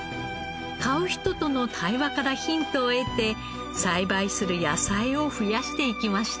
買う人との対話からヒントを得て栽培する野菜を増やしていきました。